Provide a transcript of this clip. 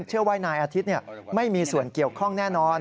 เชื่อว่านายอาทิตย์ไม่มีส่วนเกี่ยวข้องแน่นอน